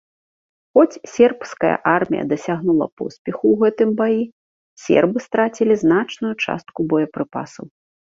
Хоць сербская армія дасягнула поспеху ў гэтым баі, сербы страцілі значную частку боепрыпасаў.